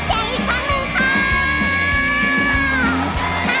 ขอบคุณครับ